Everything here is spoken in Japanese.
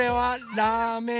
ラーメン？